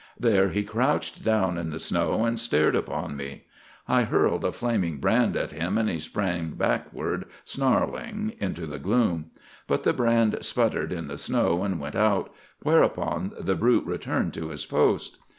There he crouched down in the snow and glared upon me. I hurled a flaming brand at him, and he sprang backward, snarling, into the gloom. But the brand spluttered in the snow and went out, whereupon the brute returned to his post.